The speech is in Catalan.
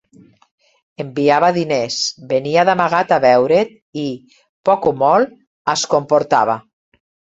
Enviava diners, venia d'amagat a veure't i, poc o molt, es comportava.